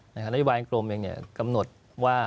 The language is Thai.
นโยบายกรมเองกำหนดว่า